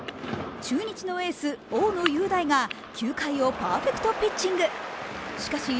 中日のエース・大野雄大が９回をパーフェクトピッチング。